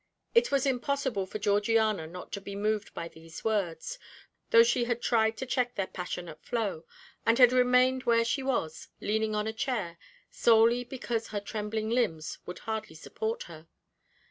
It was impossible for Georgiana not to be moved by these words, though she had tried to check their passionate flow, and had remained where she was, leaning on a chair, solely because her trembling limbs would hardly support her.